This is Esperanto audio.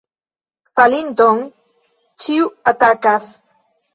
Falinton ĉiu atakas.